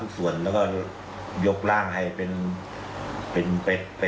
ตั้งใจพออะไรอย่างนั้นนะพอเลยตั้งใจ